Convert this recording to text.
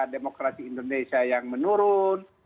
demokrasi indonesia yang menurun